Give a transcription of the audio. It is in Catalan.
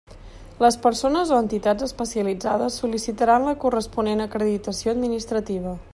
Les persones o entitats especialitzades sol·licitaran la corresponent acreditació administrativa.